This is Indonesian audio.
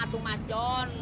aduh mas john